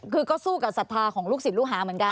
คือก็สู้กับศรัทธาของลูกศิษย์ลูกหาเหมือนกัน